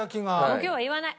もう今日は言わない。